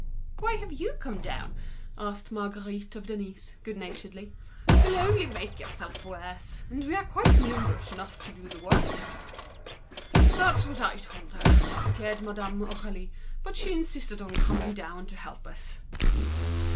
"Why have you come down?" asked Marguerite of Denise, good naturedly. "You'll only make yourself worse, and we are quite enough to do the work." "That's what I told her," declared Madame Aurélie, "but she insisted on coming down to help us."